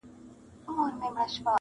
ما چي پېچومي د پامیر ستایلې-